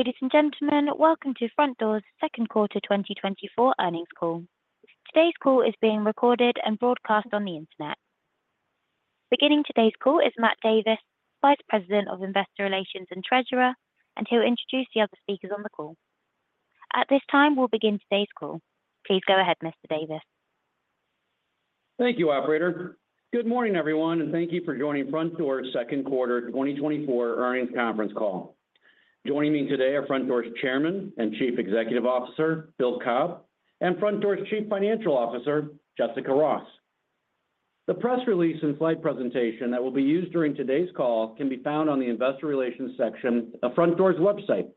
Ladies and gentlemen, welcome to Frontdoor's second quarter 2024 earnings call. Today's call is being recorded and broadcast on the internet. Beginning today's call is Matt Davis, Vice President of Investor Relations and Treasurer, and he'll introduce the other speakers on the call. At this time, we'll begin today's call. Please go ahead, Mr. Davis. Thank you, operator. Good morning, everyone, and thank you for joining Frontdoor's second quarter 2024 earnings conference call. Joining me today are Frontdoor's Chairman and Chief Executive Officer, Bill Cobb, and Frontdoor's Chief Financial Officer, Jessica Ross. The press release and slide presentation that will be used during today's call can be found on the investor relations section of Frontdoor's website,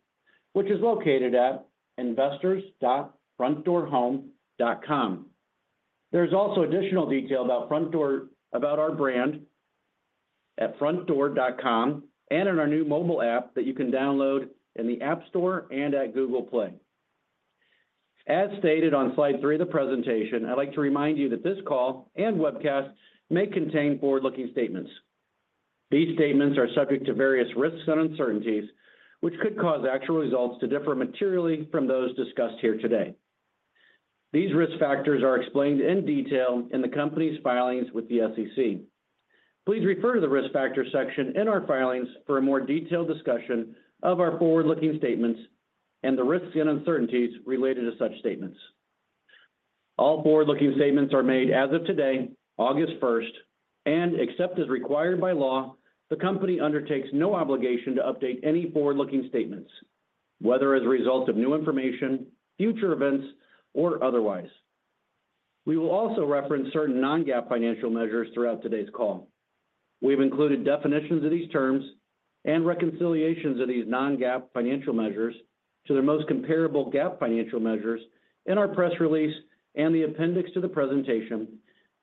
which is located at investors.frontdoorhome.com. There's also additional detail about Frontdoor, about our brand at frontdoor.com and in our new mobile app that you can download in the App Store and at Google Play. As stated on slide three of the presentation, I'd like to remind you that this call and webcast may contain forward-looking statements. These statements are subject to various risks and uncertainties, which could cause actual results to differ materially from those discussed here today. These risk factors are explained in detail in the company's filings with the SEC. Please refer to the risk factors section in our filings for a more detailed discussion of our forward-looking statements and the risks and uncertainties related to such statements. All forward-looking statements are made as of today, August 1st, and except as required by law, the company undertakes no obligation to update any forward-looking statements, whether as a result of new information, future events, or otherwise. We will also reference certain non-GAAP financial measures throughout today's call. We've included definitions of these terms and reconciliations of these non-GAAP financial measures to their most comparable GAAP financial measures in our press release and the appendix to the presentation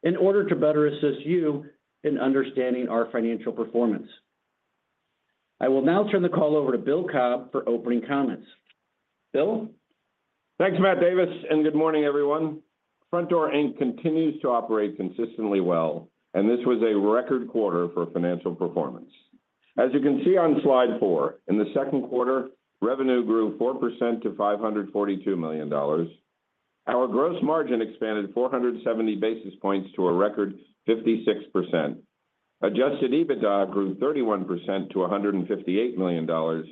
in order to better assist you in understanding our financial performance. I will now turn the call over to Bill Cobb for opening comments. Bill? Thanks, Matt Davis, and good morning, everyone. Frontdoor, Inc. continues to operate consistently well, and this was a record quarter for financial performance. As you can see on slide four, in the second quarter, revenue grew 4% to $542 million. Our gross margin expanded 470 basis points to a record 56%. Adjusted EBITDA grew 31% to $158 million.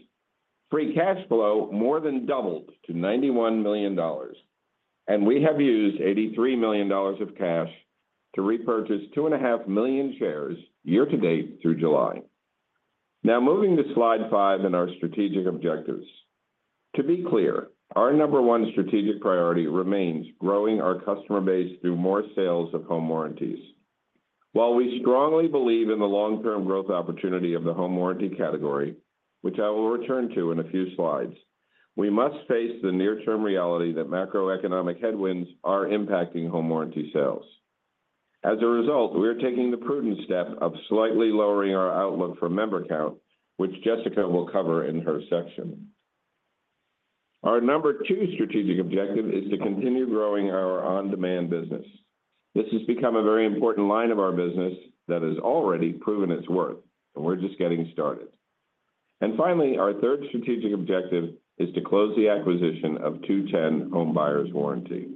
Free cash flow more than doubled to $91 million, and we have used $83 million of cash to repurchase 2.5 million shares year-to-date through July. Now, moving to slide five and our strategic objectives. To be clear, our number one strategic priority remains growing our customer base through more sales of home warranties. While we strongly believe in the long-term growth opportunity of the home warranty category, which I will return to in a few slides, we must face the near-term reality that macroeconomic headwinds are impacting home warranty sales. As a result, we are taking the prudent step of slightly lowering our outlook for member count, which Jessica will cover in her section. Our number two strategic objective is to continue growing our on-demand business. This has become a very important line of our business that has already proven its worth, and we're just getting started. Finally, our third strategic objective is to close the acquisition of 2-10 Home Buyers Warranty.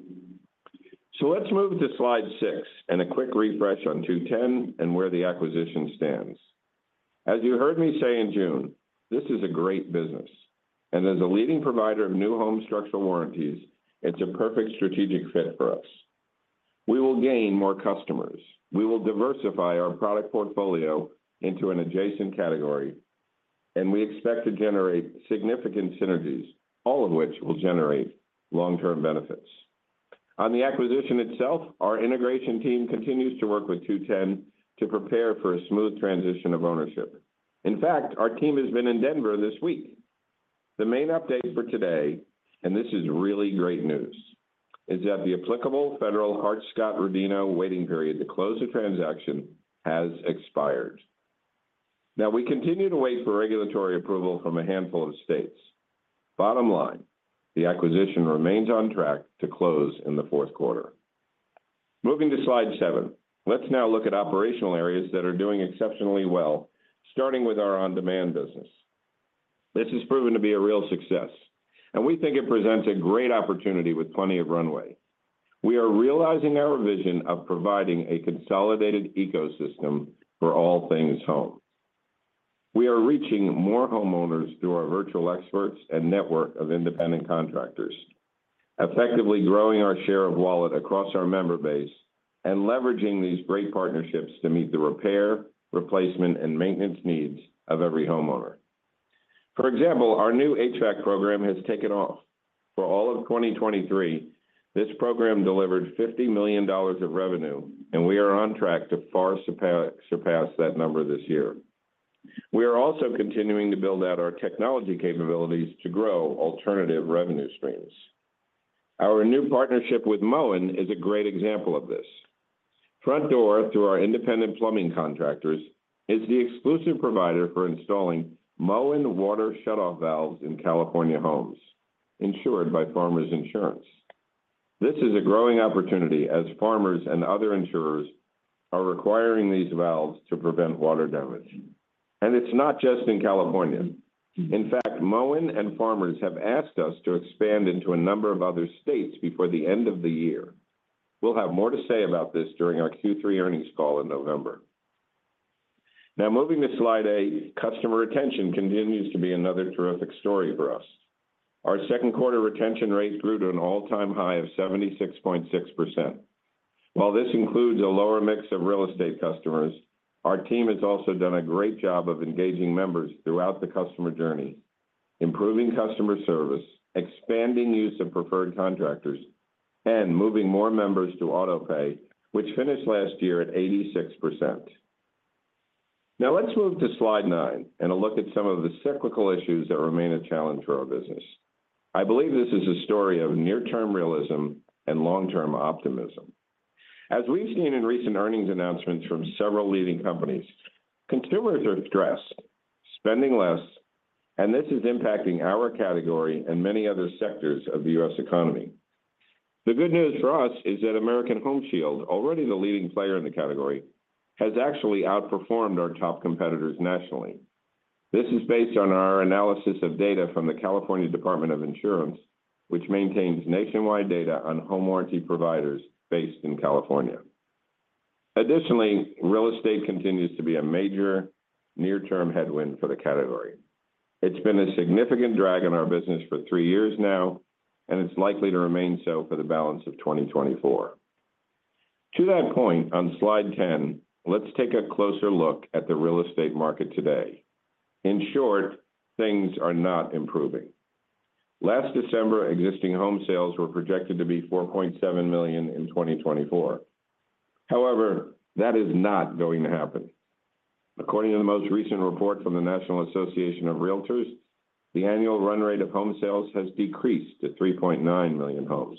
Let's move to slide six and a quick refresh on 2-10 and where the acquisition stands. As you heard me say in June, this is a great business, and as a leading provider of new home structural warranties, it's a perfect strategic fit for us. We will gain more customers. We will diversify our product portfolio into an adjacent category, and we expect to generate significant synergies, all of which will generate long-term benefits. On the acquisition itself, our integration team continues to work with 2-10 to prepare for a smooth transition of ownership. In fact, our team has been in Denver this week. The main update for today, and this is really great news, is that the applicable federal Hart-Scott-Rodino waiting period to close the transaction has expired. Now, we continue to wait for regulatory approval from a handful of states. Bottom line, the acquisition remains on track to close in the fourth quarter. Moving to slide seven. Let's now look at operational areas that are doing exceptionally well, starting with our on-demand business. This has proven to be a real success, and we think it presents a great opportunity with plenty of runway. We are realizing our vision of providing a consolidated ecosystem for all things home. We are reaching more homeowners through our virtual experts and network of independent contractors, effectively growing our share of wallet across our member base and leveraging these great partnerships to meet the repair, replacement, and maintenance needs of every homeowner. For example, our new HVAC program has taken off. For all of 2023, this program delivered $50 million of revenue, and we are on track to far surpass, surpass that number this year. We are also continuing to build out our technology capabilities to grow alternative revenue streams. Our new partnership with Moen is a great example of this. Frontdoor, through our independent plumbing contractors, is the exclusive provider for installing Moen water shutoff valves in California homes, insured by Farmers Insurance. This is a growing opportunity as Farmers and other insurers are requiring these valves to prevent water damage. And it's not just in California. In fact, Moen and Farmers have asked us to expand into a number of other states before the end of the year. We'll have more to say about this during our Q3 earnings call in November. Now, moving to slide eight, customer retention continues to be another terrific story for us. Our second quarter retention rates grew to an all-time high of 76.6%. While this includes a lower mix of real estate customers, our team has also done a great job of engaging members throughout the customer journey, improving customer service, expanding use of preferred contractors, and moving more members to autopay, which finished last year at 86%. Now, let's move to slide nine and a look at some of the cyclical issues that remain a challenge for our business. I believe this is a story of near-term realism and long-term optimism. As we've seen in recent earnings announcements from several leading companies, consumers are stressed, spending less, and this is impacting our category and many other sectors of the U.S. economy. The good news for us is that American Home Shield, already the leading player in the category, has actually outperformed our top competitors nationally. This is based on our analysis of data from the California Department of Insurance, which maintains nationwide data on home warranty providers based in California. Additionally, real estate continues to be a major near-term headwind for the category. It's been a significant drag on our business for three years now, and it's likely to remain so for the balance of 2024. To that point, on slide 10, let's take a closer look at the real estate market today. In short, things are not improving. Last December, existing home sales were projected to be 4.7 million in 2024. However, that is not going to happen. According to the most recent report from the National Association of Realtors, the annual run rate of home sales has decreased to 3.9 million homes.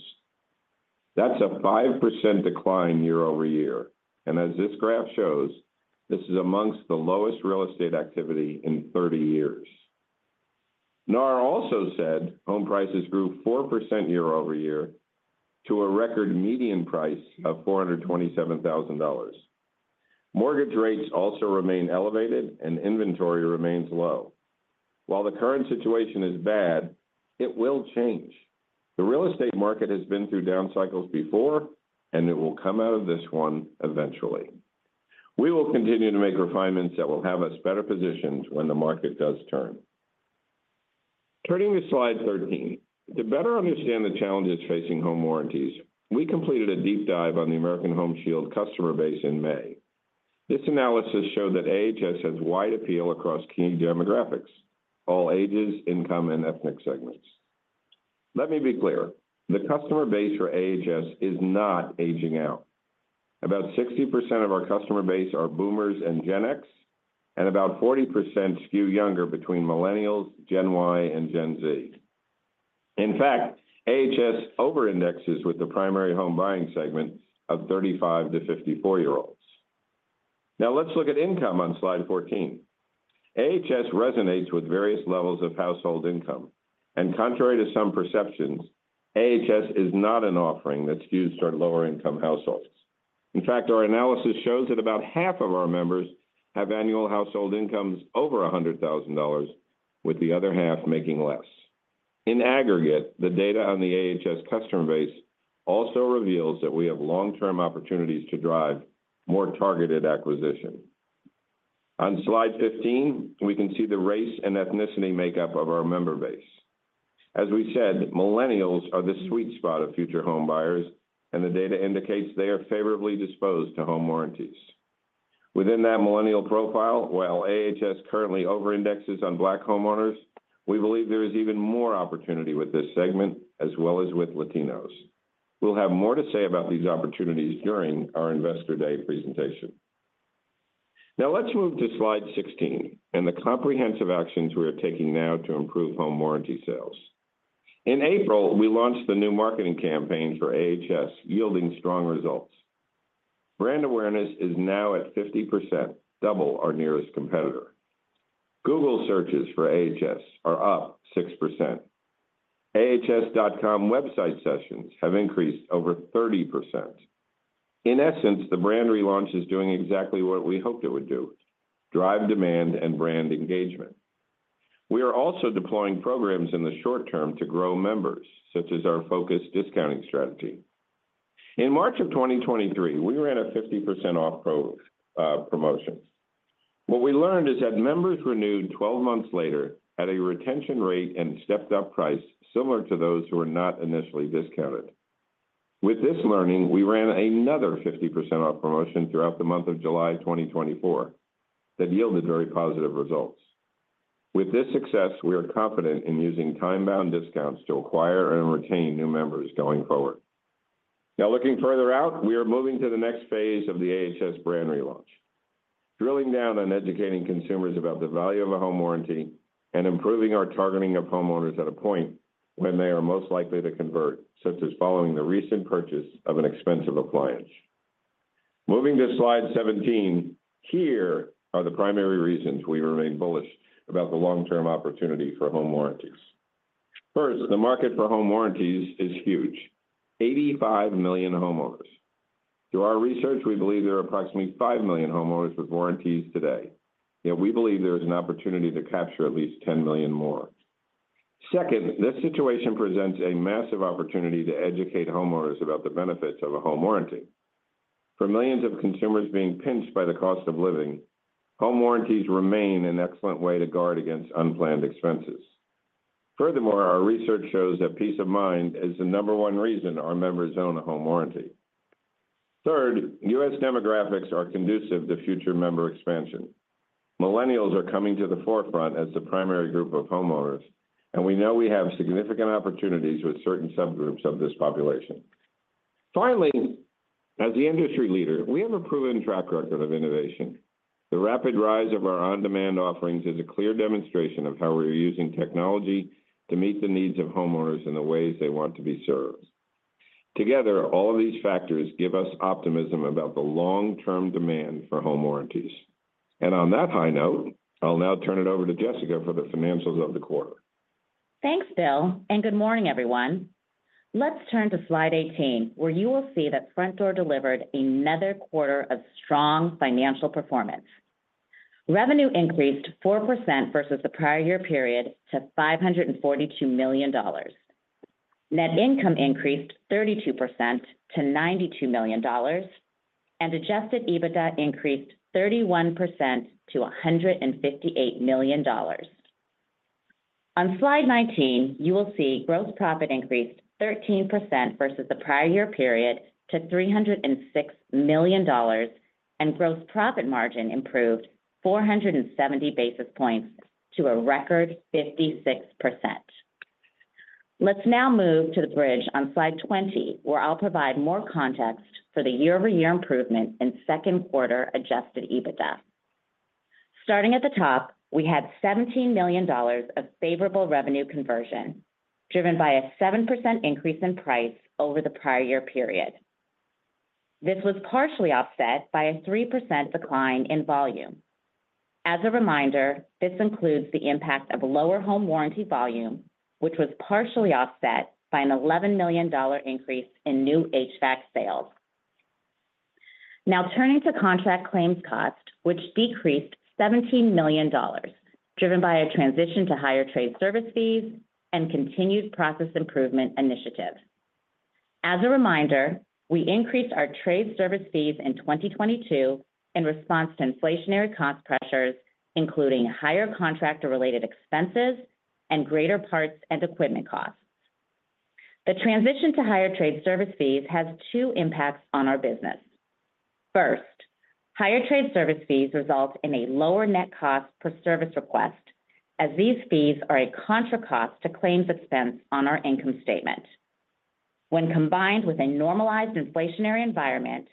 That's a 5% decline year-over-year, and as this graph shows, this is among the lowest real estate activity in 30 years. NAR also said home prices grew 4% year-over-year to a record median price of $427,000. Mortgage rates also remain elevated, and inventory remains low. While the current situation is bad, it will change. The real estate market has been through down cycles before, and it will come out of this one eventually. We will continue to make refinements that will have us better positioned when the market does turn. Turning to slide 13. To better understand the challenges facing home warranties, we completed a deep dive on the American Home Shield customer base in May. This analysis showed that AHS has wide appeal across key demographics, all ages, income, and ethnic segments. Let me be clear, the customer base for AHS is not aging out. About 60% of our customer base are boomers and Gen X, and about 40% skew younger between millennials, Gen Y, and Gen Z. In fact, AHS overindexes with the primary home buying segment of 35 to 54 year olds. Now, let's look at income on slide 14. AHS resonates with various levels of household income, and contrary to some perceptions, AHS is not an offering that's used for lower-income households. In fact, our analysis shows that about half of our members have annual household incomes over $100,000, with the other half making less. In aggregate, the data on the AHS customer base also reveals that we have long-term opportunities to drive more targeted acquisition. On slide 15, we can see the race and ethnicity makeup of our member base. As we said, millennials are the sweet spot of future home buyers, and the data indicates they are favorably disposed to home warranties. Within that millennial profile, while AHS currently overindexes on black homeowners, we believe there is even more opportunity with this segment, as well as with Latinos. We'll have more to say about these opportunities during our Investor Day presentation. Now, let's move to slide 16 and the comprehensive actions we are taking now to improve home warranty sales. In April, we launched the new marketing campaign for AHS, yielding strong results. Brand awareness is now at 50%, double our nearest competitor. Google searches for AHS are up 6%. ahs.com website sessions have increased over 30%. In essence, the brand relaunch is doing exactly what we hoped it would do, drive demand and brand engagement. We are also deploying programs in the short term to grow members, such as our focused discounting strategy. In March 2023, we ran a 50% off promotion. What we learned is that members renewed 12 months later at a retention rate and stepped up price similar to those who were not initially discounted. With this learning, we ran another 50% off promotion throughout the month of July 2024 that yielded very positive results. With this success, we are confident in using time-bound discounts to acquire and retain new members going forward. Now, looking further out, we are moving to the next phase of the AHS brand relaunch, drilling down on educating consumers about the value of a home warranty and improving our targeting of homeowners at a point when they are most likely to convert, such as following the recent purchase of an expensive appliance. Moving to slide 17, here are the primary reasons we remain bullish about the long-term opportunity for home warranties. First, the market for home warranties is huge, 85 million homeowners. Through our research, we believe there are approximately 5 million homeowners with warranties today, yet we believe there is an opportunity to capture at least 10 million more. Second, this situation presents a massive opportunity to educate homeowners about the benefits of a home warranty. For millions of consumers being pinched by the cost of living, home warranties remain an excellent way to guard against unplanned expenses. Furthermore, our research shows that peace of mind is the number one reason our members own a home warranty. Third, U.S. demographics are conducive to future member expansion. Millennials are coming to the forefront as the primary group of homeowners, and we know we have significant opportunities with certain subgroups of this population. Finally, as the industry leader, we have a proven track record of innovation. The rapid rise of our on-demand offerings is a clear demonstration of how we are using technology to meet the needs of homeowners in the ways they want to be served. Together, all of these factors give us optimism about the long-term demand for home warranties. On that high note, I'll now turn it over to Jessica for the financials of the quarter. Thanks, Bill, and good morning, everyone. Let's turn to slide 18, where you will see that Frontdoor delivered another quarter of strong financial performance. Revenue increased 4% versus the prior year period to $542 million. Net income increased 32% to $92 million, and adjusted EBITDA increased 31% to $158 million. On Slide 19, you will see gross profit increased 13% versus the prior year period to $306 million, and gross profit margin improved 470 basis points to a record 56%. Let's now move to the bridge on slide 20, where I'll provide more context for the year-over-year improvement in second quarter adjusted EBITDA. Starting at the top, we had $17 million of favorable revenue conversion, driven by a 7% increase in price over the prior year period. This was partially offset by a 3% decline in volume. As a reminder, this includes the impact of lower home warranty volume, which was partially offset by an $11 million increase in new HVAC sales. Now turning to contract claims cost, which decreased $17 million, driven by a transition to higher trade service fees and continued process improvement initiatives. As a reminder, we increased our trade service fees in 2022 in response to inflationary cost pressures, including higher contractor-related expenses and greater parts and equipment costs. The transition to higher trade service fees has two impacts on our business. First, higher trade service fees result in a lower net cost per service request, as these fees are a contra cost to claims expense on our income statement. When combined with a normalized inflationary environment,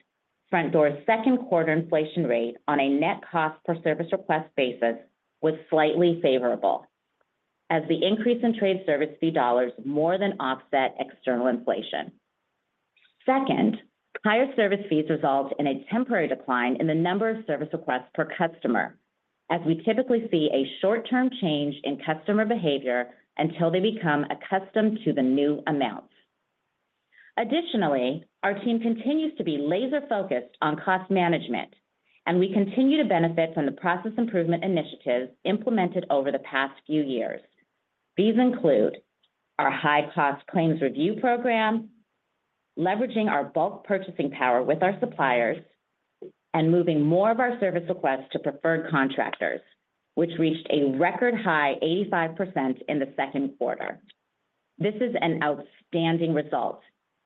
Frontdoor's second quarter inflation rate on a net cost per service request basis was slightly favorable, as the increase in trade service fee dollars more than offset external inflation. Second, higher service fees result in a temporary decline in the number of service requests per customer, as we typically see a short-term change in customer behavior until they become accustomed to the new amounts. Additionally, our team continues to be laser-focused on cost management, and we continue to benefit from the process improvement initiatives implemented over the past few years. These include our high cost claims review program, leveraging our bulk purchasing power with our suppliers, and moving more of our service requests to preferred contractors, which reached a record high 85% in the second quarter. This is an outstanding result,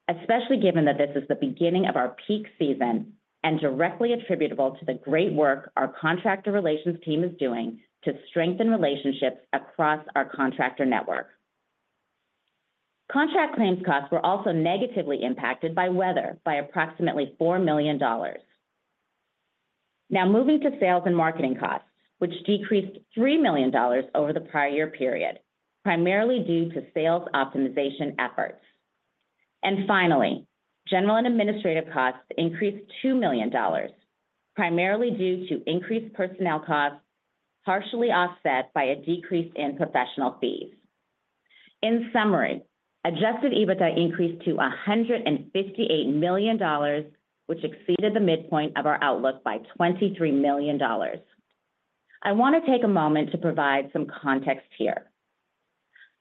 especially given that this is the beginning of our peak season and directly attributable to the great work our contractor relations team is doing to strengthen relationships across our contractor network. Contract claims costs were also negatively impacted by weather by approximately $4 million. Now moving to sales and marketing costs, which decreased $3 million over the prior year period, primarily due to sales optimization efforts. And finally, general and administrative costs increased $2 million, primarily due to increased personnel costs, partially offset by a decrease in professional fees. In summary, adjusted EBITDA increased to $158 million, which exceeded the midpoint of our outlook by $23 million. I want to take a moment to provide some context here.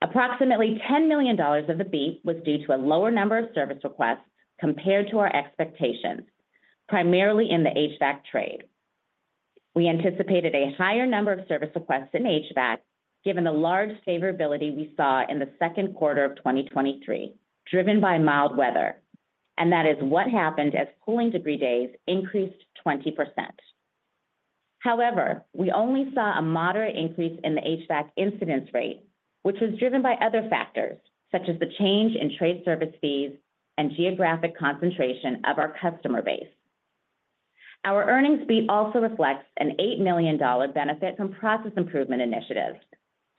Approximately $10 million of the beat was due to a lower number of service requests compared to our expectations, primarily in the HVAC trade. We anticipated a higher number of service requests in HVAC, given the large favorability we saw in the second quarter of 2023, driven by mild weather, and that is what happened as cooling degree days increased 20%. However, we only saw a moderate increase in the HVAC incidence rate, which was driven by other factors, such as the change in trade service fees and geographic concentration of our customer base. Our earnings beat also reflects an $8 million benefit from process improvement initiatives,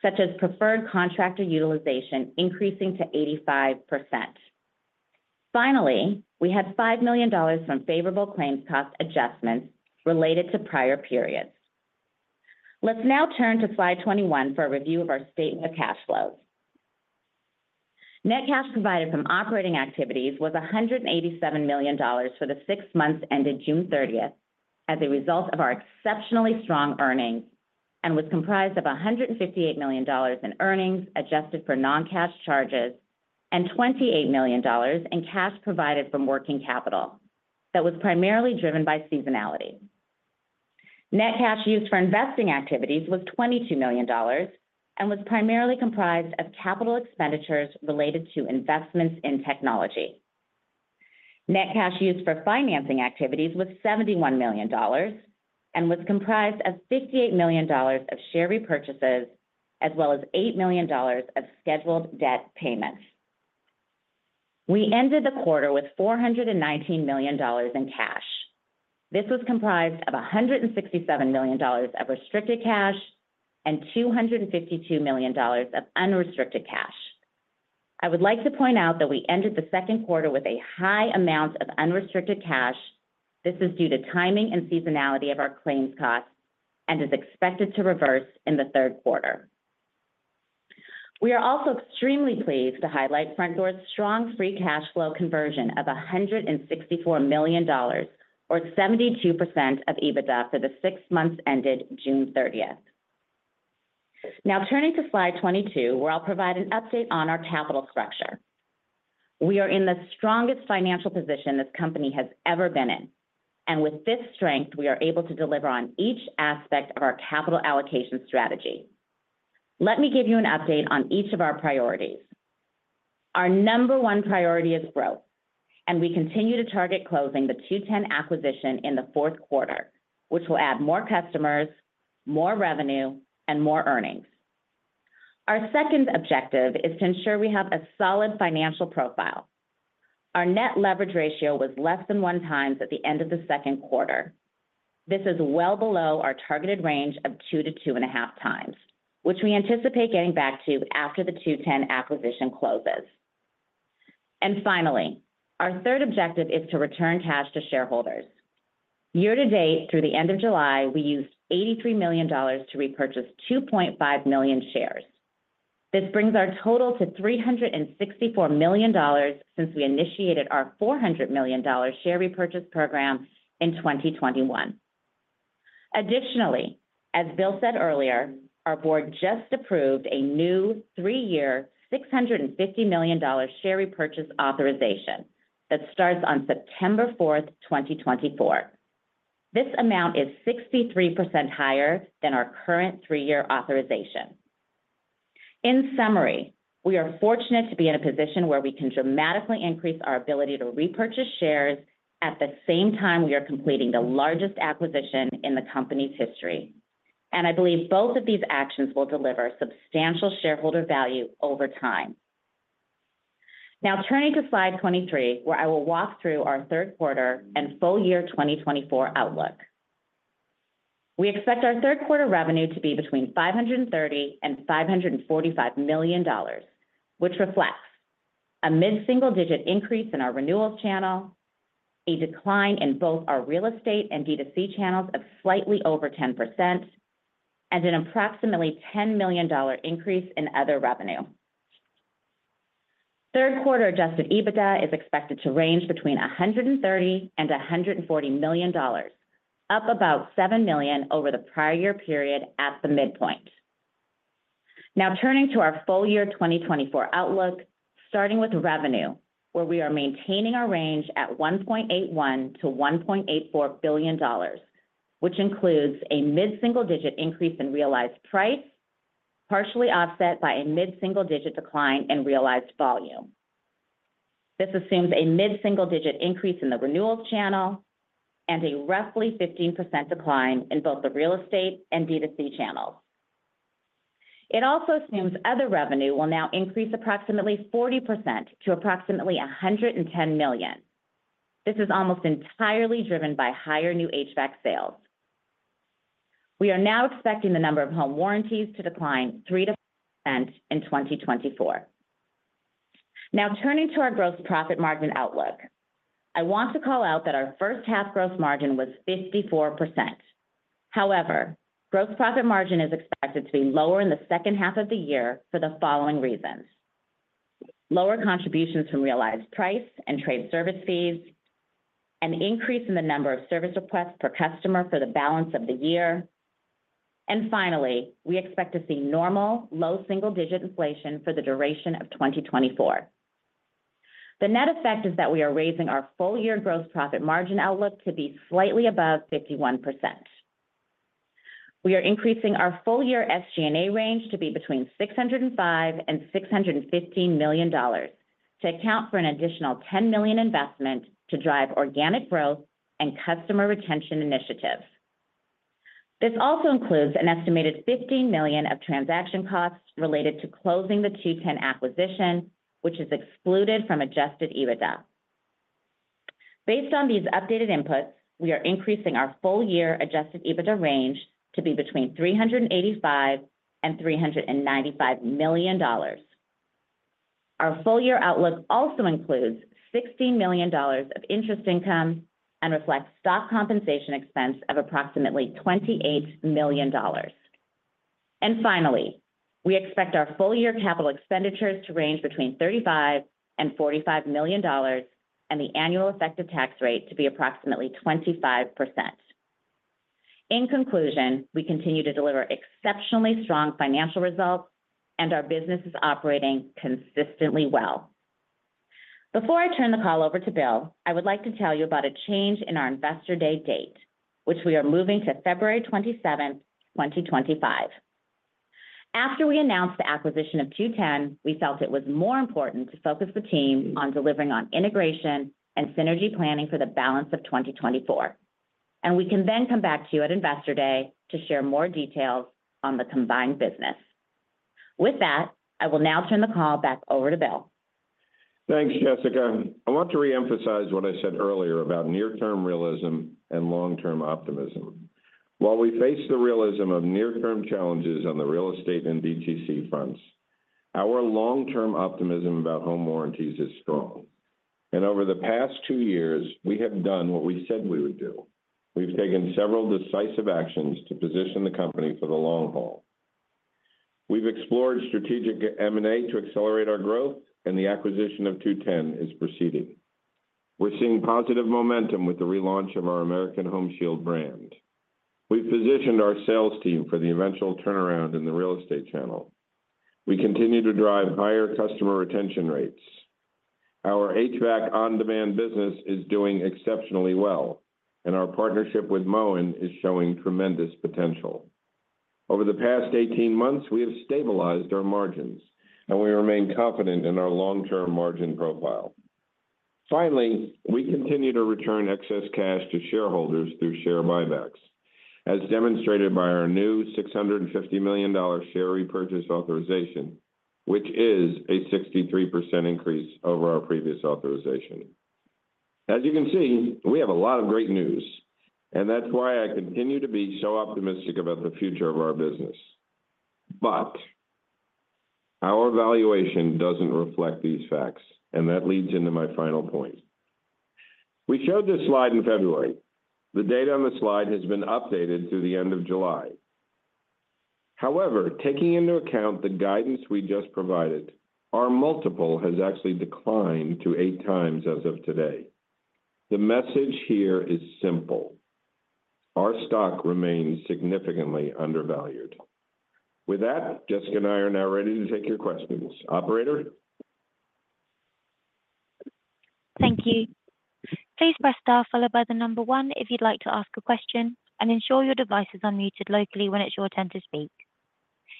such as preferred contractor utilization increasing to 85%. Finally, we had $5 million from favorable claims cost adjustments related to prior periods. Let's now turn to slide 21 for a review of our statement of cash flows. Net cash provided from operating activities was $187 million for the six months ended June 30th, as a result of our exceptionally strong earnings, and was comprised of $158 million in earnings, adjusted for non-cash charges, and $28 million in cash provided from working capital. That was primarily driven by seasonality. Net cash used for investing activities was $22 million, and was primarily comprised of capital expenditures related to investments in technology. Net cash used for financing activities was $71 million, and was comprised of $58 million of share repurchases, as well as $8 million of scheduled debt payments. We ended the quarter with $419 million in cash. This was comprised of $167 million of restricted cash and $252 million of unrestricted cash. I would like to point out that we ended the second quarter with a high amount of unrestricted cash. This is due to timing and seasonality of our claims costs, and is expected to reverse in the third quarter. We are also extremely pleased to highlight Frontdoor's strong free cash flow conversion of $164 million or 72% of EBITDA for the six months ended June 30th. Now turning to slide 22, where I'll provide an update on our capital structure. We are in the strongest financial position this company has ever been in, and with this strength, we are able to deliver on each aspect of our capital allocation strategy. Let me give you an update on each of our priorities. Our number one priority is growth, and we continue to target closing the 2-10 acquisition in the fourth quarter, which will add more customers, more revenue, and more earnings. Our second objective is to ensure we have a solid financial profile. Our net leverage ratio was less than 1 times at the end of the second quarter. This is well below our targeted range of 2 to 2.5 times, which we anticipate getting back to after the 2-10 acquisition closes. And finally, our third objective is to return cash to shareholders. Year-to-date, through the end of July, we used $83 million to repurchase 2.5 million shares. This brings our total to $364 million since we initiated our $400 million share repurchase program in 2021. Additionally, as Bill said earlier, our board just approved a new three-year, $650 million share repurchase authorization that starts on September 4th, 2024. This amount is 63% higher than our current three-year authorization. In summary, we are fortunate to be in a position where we can dramatically increase our ability to repurchase shares at the same time we are completing the largest acquisition in the company's history. And I believe both of these actions will deliver substantial shareholder value over time. Now, turning to slide 23, where I will walk through our third quarter and full year 2024 outlook. We expect our third quarter revenue to be between $530 million and $545 million, which reflects a mid-single digit increase in our Renewals Channel, a decline in both our Real Estate Channel and D2C channels of slightly over 10%, and an approximately $10 million increase in other revenue. Third quarter adjusted EBITDA is expected to range between $130 million and $140 million, up about $7 million over the prior year period at the midpoint. Now, turning to our full year 2024 outlook, starting with revenue, where we are maintaining our range at $1.81-$1.84 billion, which includes a mid-single digit increase in realized price, partially offset by a mid-single digit decline in realized volume. This assumes a mid-single digit increase in the renewals channel and a roughly 15% decline in both the real estate and D2C channels. It also assumes other revenue will now increase approximately 40% to approximately $110 million. This is almost entirely driven by higher new HVAC sales. We are now expecting the number of home warranties to decline 3%-5% in 2024. Now, turning to our gross profit margin outlook. I want to call out that our first half gross margin was 54%. However, gross profit margin is expected to be lower in the second half of the year for the following reasons: lower contributions from realized price and trade service fees, an increase in the number of service requests per customer for the balance of the year. And finally, we expect to see normal low single-digit inflation for the duration of 2024. The net effect is that we are raising our full-year gross profit margin outlook to be slightly above 51%. We are increasing our full-year SG&A range to be between $605 million and $615 million, to account for an additional $10 million investment to drive organic growth and customer retention initiatives. This also includes an estimated $15 million of transaction costs related to closing the 2-10 acquisition, which is excluded from adjusted EBITDA. Based on these updated inputs, we are increasing our full-year adjusted EBITDA range to be between $385 million and $395 million. Our full-year outlook also includes $60 million of interest income and reflects stock compensation expense of approximately $28 million. And finally, we expect our full-year capital expenditures to range between $35 million and $45 million, and the annual effective tax rate to be approximately 25%. In conclusion, we continue to deliver exceptionally strong financial results, and our business is operating consistently well. Before I turn the call over to Bill, I would like to tell you about a change in our Investor Day date, which we are moving to February 27, 2025. After we announced the acquisition of 2-10, we felt it was more important to focus the team on delivering on integration and synergy planning for the balance of 2024, and we can then come back to you at Investor Day to share more details on the combined business. With that, I will now turn the call back over to Bill. Thanks, Jessica. I want to reemphasize what I said earlier about near-term realism and long-term optimism. While we face the realism of near-term challenges on the real estate and DTC fronts, our long-term optimism about home warranties is strong. Over the past two years, we have done what we said we would do. We've taken several decisive actions to position the company for the long haul. We've explored strategic M&A to accelerate our growth, and the acquisition of 2-10 is proceeding. We're seeing positive momentum with the relaunch of our American Home Shield brand. We've positioned our sales team for the eventual turnaround in the real estate channel. We continue to drive higher customer retention rates. Our HVAC on-demand business is doing exceptionally well, and our partnership with Moen is showing tremendous potential. Over the past 18 months, we have stabilized our margins, and we remain confident in our long-term margin profile. Finally, we continue to return excess cash to shareholders through share buybacks, as demonstrated by our new $650 million share repurchase authorization, which is a 63% increase over our previous authorization. As you can see, we have a lot of great news, and that's why I continue to be so optimistic about the future of our business. But our valuation doesn't reflect these facts, and that leads into my final point. We showed this slide in February. The data on the slide has been updated through the end of July. However, taking into account the guidance we just provided, our multiple has actually declined to eight times as of today. The message here is simple: Our stock remains significantly undervalued. With that, Jessica and I are now ready to take your questions. Operator? Thank you. Please press Star followed by the number one if you'd like to ask a question, and ensure your device is unmuted locally when it's your turn to speak.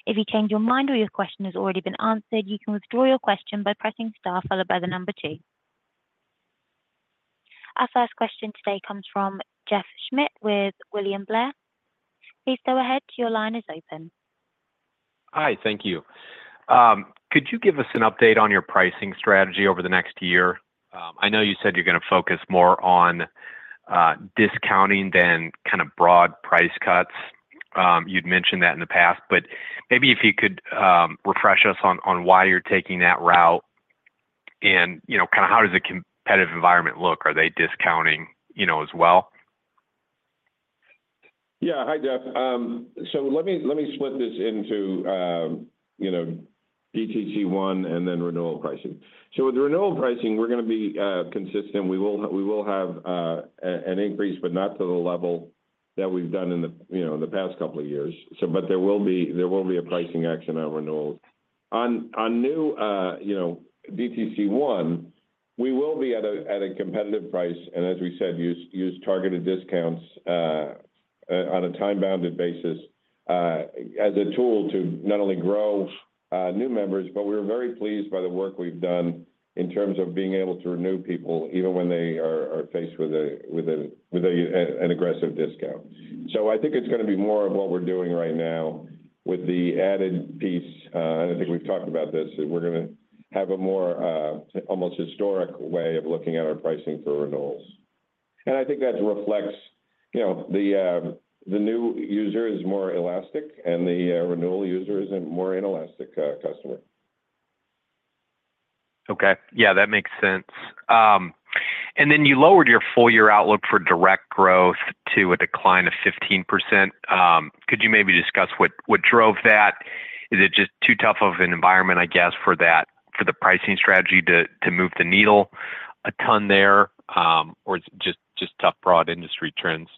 If you change your mind or your question has already been answered, you can withdraw your question by pressing Star followed by the number two. Our first question today comes from Jeff Schmitt with William Blair. Please go ahead. Your line is open. Hi, thank you. Could you give us an update on your pricing strategy over the next year? I know you said you're going to focus more on discounting than kind of broad price cuts. You'd mentioned that in the past, but maybe if you could refresh us on why you're taking that route and, you know, kind of how does the competitive environment look? Are they discounting, you know, as well? Yeah. Hi, Jeff. So let me split this into, you know, DTC one and then renewal pricing. So with the renewal pricing, we're going to be consistent. We will have an increase, but not to the level that we've done in the, you know, in the past couple of years. But there will be a pricing action on renewals. On new, you know, DTC one, we will be at a competitive price, and as we said, use targeted discounts on a time-bounded basis, as a tool to not only grow new members, but we're very pleased by the work we've done in terms of being able to renew people, even when they are faced with an aggressive discount. So I think it's going to be more of what we're doing right now with the added piece, and I think we've talked about this, we're gonna have a more almost historic way of looking at our pricing for renewals. And I think that reflects, you know, the new user is more elastic and the renewal user is a more inelastic customer. Okay. Yeah, that makes sense. And then you lowered your full year outlook for direct growth to a decline of 15%. Could you maybe discuss what drove that? Is it just too tough of an environment, I guess, for that, for the pricing strategy to move the needle a ton there, or it's just tough broad industry trends?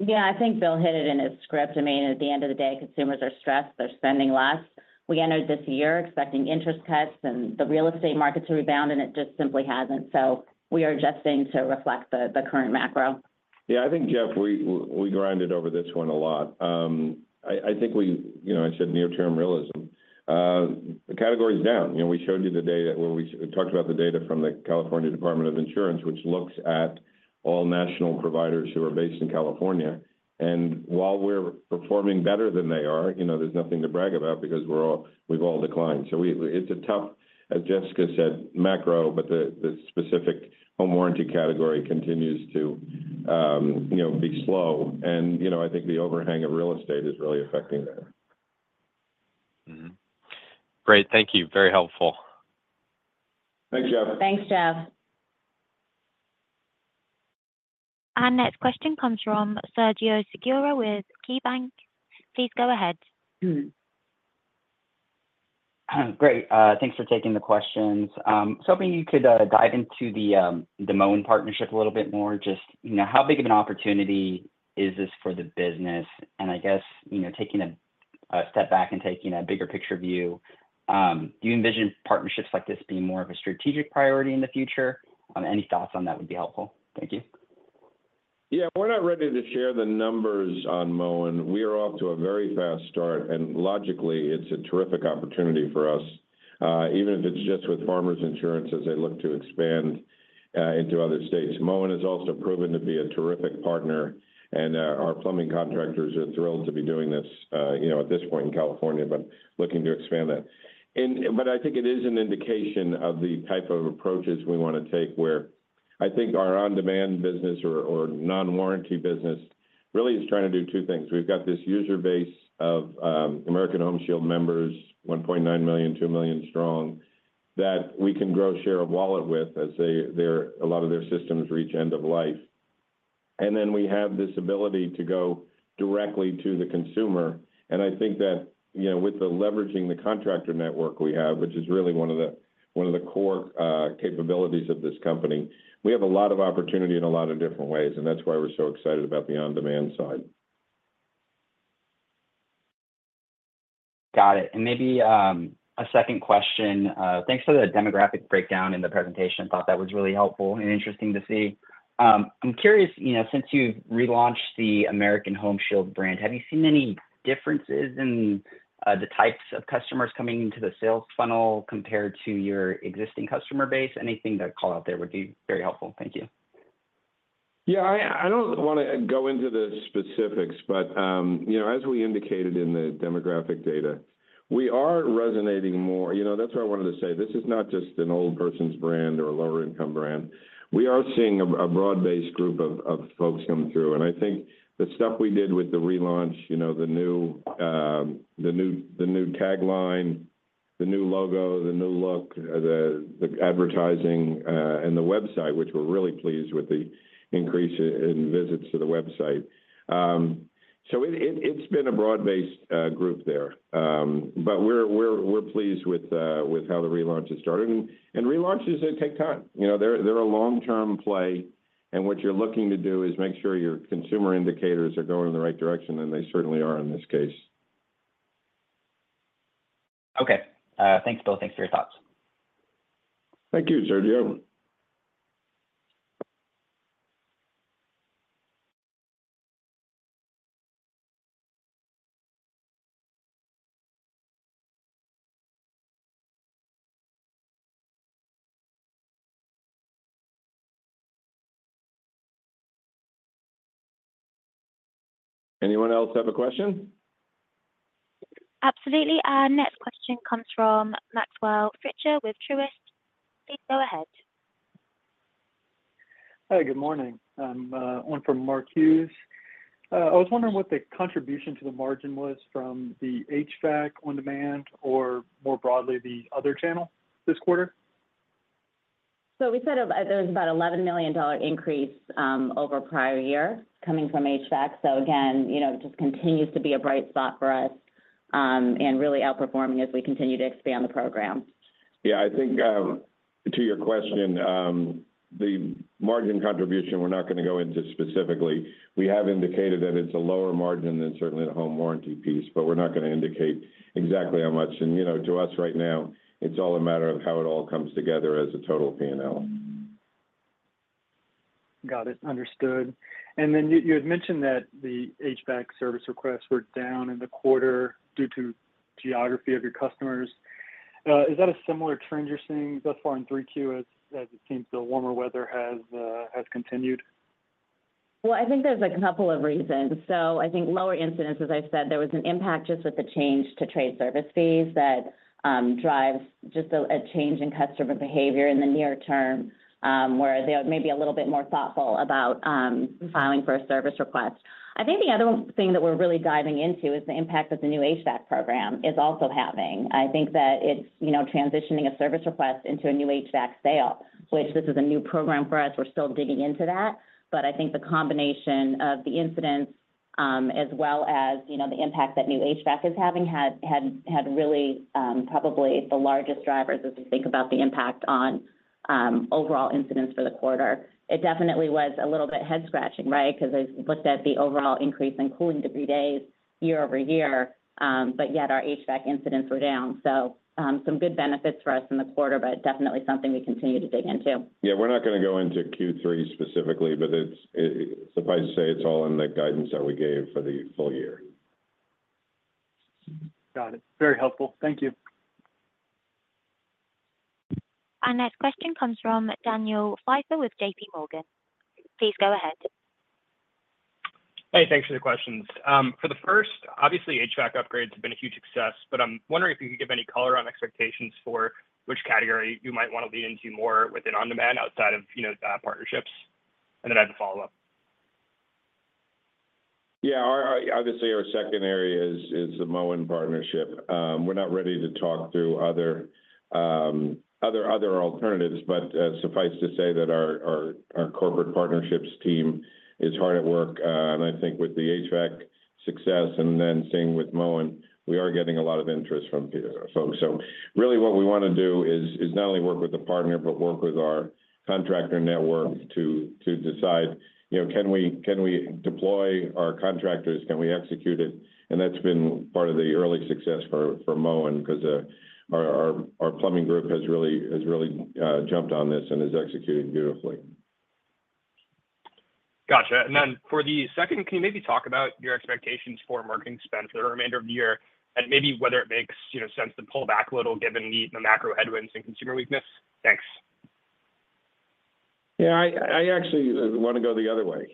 Yeah, I think Bill hit it in his script. I mean, at the end of the day, consumers are stressed. They're spending less. We entered this year expecting interest cuts and the real estate market to rebound, and it just simply hasn't. So we are adjusting to reflect the current macro. Yeah, I think, Jeff, we grinded over this one a lot. I think we you know, I said near term realism. The category is down. You know, we showed you the data when we talked about the data from the California Department of Insurance, which looks at all national providers who are based in California. And while we're performing better than they are, you know, there's nothing to brag about because we've all declined. So it's a tough, as Jessica said, macro, but the specific home warranty category continues to you know be slow. And, you know, I think the overhang of real estate is really affecting that. Mm-hmm. Great. Thank you. Very helpful. Thanks, Jeff. Thanks, Jeff. Our next question comes from Sergio Segura with KeyBanc. Please go ahead. Great. Thanks for taking the questions. Was hoping you could dive into the Moen partnership a little bit more, just, you know, how big of an opportunity is this for the business? And I guess, you know, taking a step back and taking a bigger picture view, do you envision partnerships like this being more of a strategic priority in the future? Any thoughts on that would be helpful. Thank you. Yeah. We're not ready to share the numbers on Moen. We are off to a very fast start, and logically, it's a terrific opportunity for us, even if it's just with Farmers Insurance as they look to expand into other states. Moen has also proven to be a terrific partner, and our plumbing contractors are thrilled to be doing this, you know, at this point in California, but looking to expand that. But I think it is an indication of the type of approaches we wanna take, where I think our on-demand business or non-warranty business really is trying to do two things. We've got this user base of American Home Shield members, 1.9 million, 2 million strong, that we can grow share of wallet with, as a lot of their systems reach end of life. And then we have this ability to go directly to the consumer, and I think that, you know, with the leveraging the contractor network we have, which is really one of the, one of the core, capabilities of this company, we have a lot of opportunity in a lot of different ways, and that's why we're so excited about the on-demand side. Got it. Maybe a second question. Thanks for the demographic breakdown in the presentation. Thought that was really helpful and interesting to see. I'm curious, you know, since you've relaunched the American Home Shield brand, have you seen any differences in the types of customers coming into the sales funnel compared to your existing customer base? Anything to call out there would be very helpful. Thank you. Yeah. I don't wanna go into the specifics, but, you know, as we indicated in the demographic data, we are resonating more. You know, that's what I wanted to say. This is not just an old person's brand or a lower income brand. We are seeing a broad-based group of folks coming through, and I think the stuff we did with the relaunch, you know, the new tagline, the new logo, the new look, the advertising, and the website, which we're really pleased with the increase in visits to the website. So it, it's been a broad-based group there. But we're pleased with how the relaunch has started. And relaunches, they take time. You know, they're a long-term play, and what you're looking to do is make sure your consumer indicators are going in the right direction, and they certainly are in this case. Okay. Thanks, Bill. Thanks for your thoughts. Thank you, Sergio. Anyone else have a question? Absolutely. Our next question comes from Maxwell Fritscher with Truist. Please go ahead. Hi, good morning. One from Mark Hughes. I was wondering what the contribution to the margin was from the HVAC on-demand, or more broadly, the other channel this quarter? So we said there was about $11 million increase over prior year coming from HVAC. So again, you know, it just continues to be a bright spot for us, and really outperforming as we continue to expand the program. Yeah, I think, to your question, the margin contribution, we're not gonna go into specifically. We have indicated that it's a lower margin than certainly the home warranty piece, but we're not gonna indicate exactly how much. And, you know, to us, right now, it's all a matter of how it all comes together as a total P&L. Got it. Understood. And then you had mentioned that the HVAC service requests were down in the quarter due to geography of your customers. Is that a similar trend you're seeing thus far in 3Q, as it seems the warmer weather has continued? Well, I think there's, like, a couple of reasons. So I think lower incidents, as I said, there was an impact just with the change to trade service fees that drives just a, a change in customer behavior in the near term, where they may be a little bit more thoughtful about filing for a service request. I think the other thing that we're really diving into is the impact that the new HVAC program is also having. I think that it's, you know, transitioning a service request into a new HVAC sale, which this is a new program for us. We're still digging into that, but I think the combination of the incidents, as well as, you know, the impact that new HVAC is having really, probably the largest drivers as we think about the impact on, overall incidents for the quarter. It definitely was a little bit head-scratching, right? Because I looked at the overall increase in cooling degree days year-over-year, but yet our HVAC incidents were down. So, some good benefits for us in the quarter, but definitely something we continue to dig into. Yeah, we're not gonna go into Q3 specifically, but suffice to say, it's all in the guidance that we gave for the full year.... Got it. Very helpful. Thank you. Our next question comes from Daniel Pfeiffer with J.P. Morgan. Please go ahead. Hey, thanks for the questions. For the first, obviously, HVAC upgrades have been a huge success, but I'm wondering if you could give any color on expectations for which category you might want to lean into more within on-demand, outside of, you know, partnerships. And then I have a follow-up. Yeah. Our obviously, our second area is the Moen partnership. We're not ready to talk through other alternatives, but suffice to say that our corporate partnerships team is hard at work. And I think with the HVAC success and then same with Moen, we are getting a lot of interest from folks. So really what we wanna do is not only work with a partner, but work with our contractor network to decide, you know, can we deploy our contractors? Can we execute it? And that's been part of the early success for Moen, 'cause our plumbing group has really jumped on this and is executing beautifully. Gotcha. And then for the second, can you maybe talk about your expectations for marketing spend for the remainder of the year, and maybe whether it makes, you know, sense to pull back a little given the macro headwinds and consumer weakness? Thanks. Yeah, I actually wanna go the other way.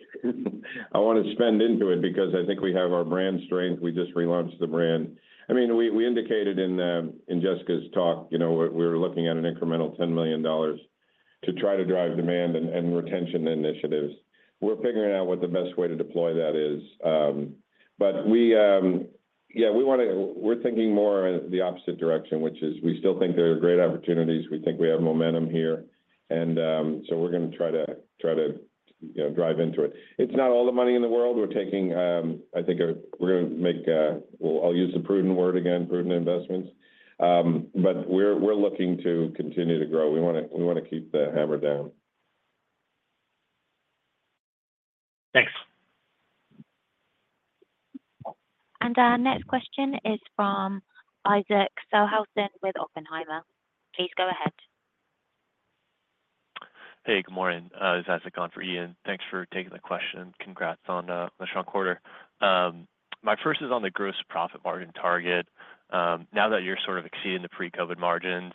I wanna spend into it because I think we have our brand strength. We just relaunched the brand. I mean, we indicated in Jessica's talk, you know, we're looking at an incremental $10 million to try to drive demand and retention initiatives. We're figuring out what the best way to deploy that is. But we, yeah, we wanna. We're thinking more in the opposite direction, which is we still think there are great opportunities. We think we have momentum here, and so we're gonna try to, you know, drive into it. It's not all the money in the world. We're taking, I think, we're gonna make, well, I'll use the prudent word again, prudent investments. But we're looking to continue to grow. We wanna, we wanna keep the hammer down. Thanks. Our next question is from Isaac Sellhausen with Oppenheimer. Please go ahead. Hey, good morning, Isaac Sellhausen. Thanks for taking the question. Congrats on a strong quarter. My first is on the gross profit margin target. Now that you're sort of exceeding the pre-COVID margins,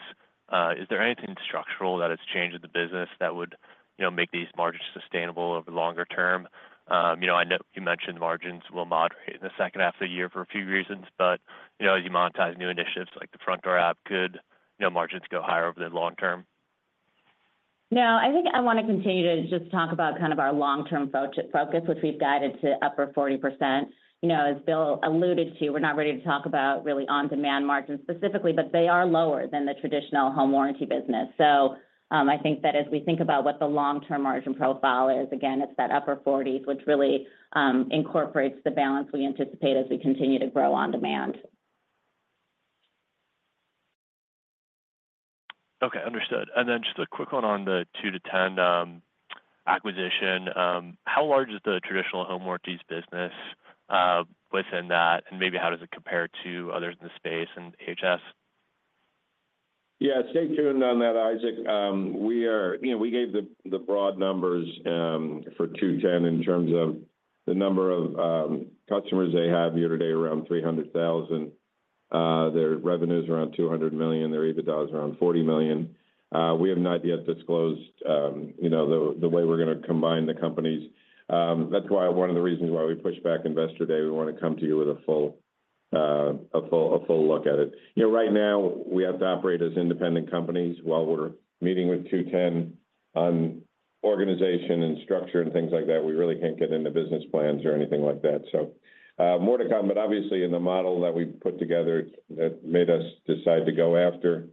is there anything structural that has changed in the business that would, you know, make these margins sustainable over the longer term? You know, I know you mentioned margins will moderate in the second half of the year for a few reasons, but, you know, as you monetize new initiatives like the Frontdoor app, could, you know, margins go higher over the long term? No, I think I wanna continue to just talk about kind of our long-term focus, which we've guided to upper 40%. You know, as Bill alluded to, we're not ready to talk about really on-demand margins specifically, but they are lower than the traditional home warranty business. So, I think that as we think about what the long-term margin profile is, again, it's that upper 40s, which really incorporates the balance we anticipate as we continue to grow on demand. Okay, understood. And then just a quick one on the 2-10 acquisition. How large is the traditional home warranties business within that, and maybe how does it compare to others in the space and AHS? Yeah, stay tuned on that, Isaac. We are, you know, we gave the broad numbers for 2-10 in terms of the number of customers they have year to date, around 300,000. Their revenue's around $200 million, their EBITDA is around $40 million. We have not yet disclosed, you know, the way we're gonna combine the companies. That's why one of the reasons why we pushed back Investor Day, we wanna come to you with a full look at it. You know, right now, we have to operate as independent companies. While we're meeting with 2-10 on organization and structure and things like that, we really can't get into business plans or anything like that. So, more to come, but obviously, in the model that we put together that made us decide to go after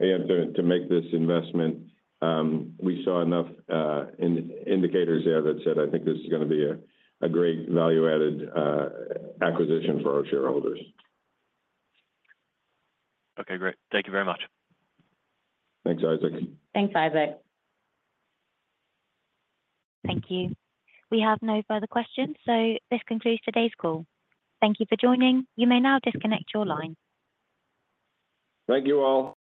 and to make this investment, we saw enough indicators there that said, "I think this is gonna be a great value-added acquisition for our shareholders. Okay, great. Thank you very much. Thanks, Isaac. Thanks, Isaac. Thank you. We have no further questions, so this concludes today's call. Thank you for joining. You may now disconnect your line. Thank you, all.